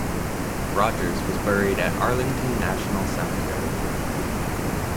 Rogers was buried at Arlington National Cemetery.